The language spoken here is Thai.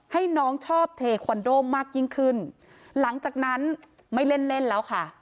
ให้น้องชอบเทควันโดมากยิ่งขึ้นหลังจากนั้นไม่เล่นเล่นแล้วค่ะ